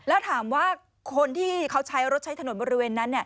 แล้วถามว่าคนที่เขาใช้รถใช้ถนนบริเวณนั้น